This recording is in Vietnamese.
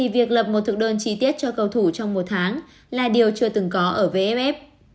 việc lập một thực đơn chi tiết cho cầu thủ trong một tháng là điều chưa từng có ở vff